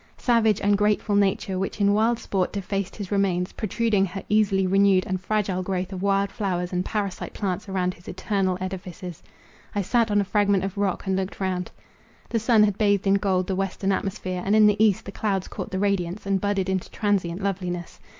Savage, ungrateful nature, which in wild sport defaced his remains, protruding her easily renewed, and fragile growth of wild flowers and parasite plants around his eternal edifices. I sat on a fragment of rock, and looked round. The sun had bathed in gold the western atmosphere, and in the east the clouds caught the radiance, and budded into transient loveliness.